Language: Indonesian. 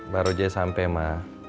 baru aja sampe ma